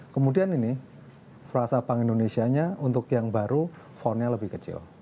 kemudian ini frasa bank indonesia nya untuk yang baru foundnya lebih kecil